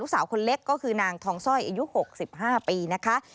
สาวคนเล็กก็คือนางทองสร้อยอายุ๖๕ปีนะคะ